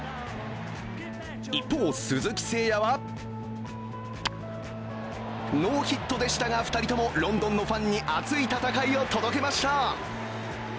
一方、鈴木誠也はノーヒットでしたが、２人ともロンドンのファンに熱い戦いを届けました。